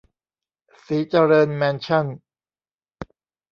ศรีเจริญแมนชั่น